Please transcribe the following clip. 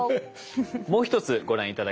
もう一つご覧頂きましょう。